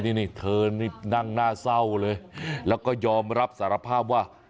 นี่เธอนี่นั่งหน้าเศร้าเลยแล้วก็ยอมรับสารภาพว่า